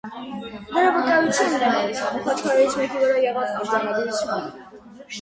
Դրա վկայությունն է հանդիսանում խաչքարերից մեկի վրա եղած արձանագրությունը։